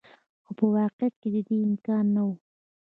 خو په واقعیت کې د دې امکان نه و.